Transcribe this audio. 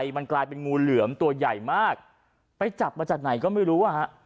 มันกลายเป็นงูเหลือมตัวใหญ่มากไปจับมาจากไหนก็ไม่รู้อ่ะฮะ